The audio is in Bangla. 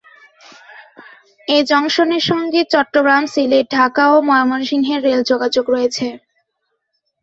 এ জংশনের সঙ্গে চট্টগ্রাম, সিলেট, ঢাকা ও ময়মনসিংহের রেলযোগাযোগ রয়েছে।